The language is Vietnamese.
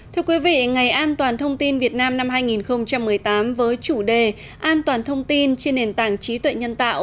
thưa quý vị ngày an toàn thông tin việt nam năm hai nghìn một mươi tám với chủ đề an toàn thông tin trên nền tảng trí tuệ nhân tạo